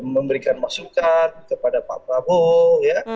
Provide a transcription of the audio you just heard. memberikan masukan kepada pak prabowo ya